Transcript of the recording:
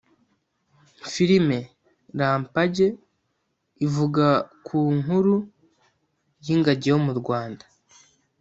Filime ’Rampage’ ivuga ku nkuru y’ingagi yo mu Rwanda